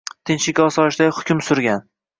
Tinchlik-osoyistalik hukm surgan